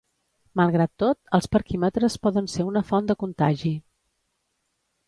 Malgrat tot, els parquímetres poden ser una font de contagi.